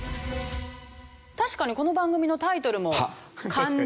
確かにこの番組のタイトルも漢字ひらがな